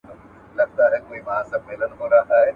هیوادونه د نوي ټکنالوژۍ په انتقال کي ونډه اخلي.